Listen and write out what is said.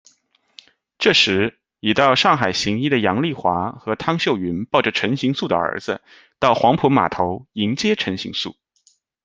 这时，已到上海行医的杨棣华和汤秀云抱着陈行素的儿子，到黄埔码头迎接陈行素。